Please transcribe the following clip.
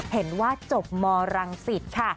เห็นว่าจบมรังสิตค่ะ